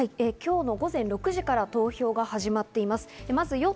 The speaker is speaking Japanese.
今日の午前６時から投票が始まっています。